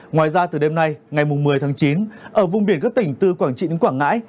ngoài ra từ đêm nay ngày một mươi tháng chín ở vùng biển các tỉnh từ quảng trị đến quảng ngãi